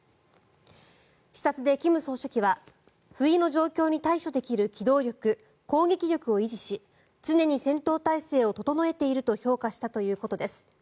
視察で金総書記は不意の状況に対処できる機動力・攻撃力を維持し常に戦闘態勢を整えていると評価したということです。